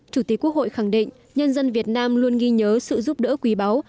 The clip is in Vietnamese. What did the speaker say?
chủ tịch quốc hội khẳng định nhân dân việt nam luôn ghi nhớ sự giúp đỡ quý báu